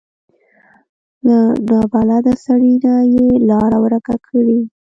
له نابلده سړي نه یې لاره ورکه کړي.